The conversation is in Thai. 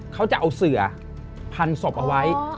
เขาจะเอาเสือพันศพเอาไว้